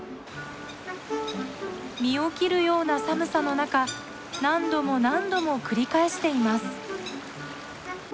身を切るような寒さの中何度も何度も繰り返しています。